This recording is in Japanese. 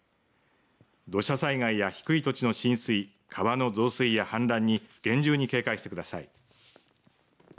土砂災害や低い土地の浸水川の増水や氾濫に厳重に警戒してください。